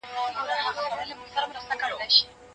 د قسم د استحقاق اړوند د نورو ميرمنو بحث تفصيلي دی.